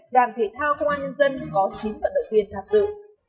đoàn thể thao công an nhân dân có chín vận động viên tham dự